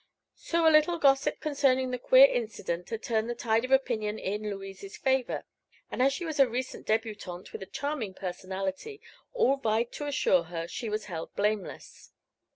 So a little gossip concerning the queer incident had turned the tide of opinion in Louise's favor, and as she was a recent debutante with a charming personality all vied to assure her she was held blameless.